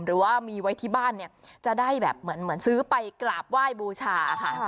หรือว่ามีไว้ที่บ้านเนี่ยจะได้แบบเหมือนซื้อไปกราบไหว้บูชาค่ะ